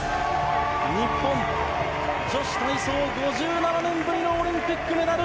日本女子体操５７年ぶりのオリンピックメダル。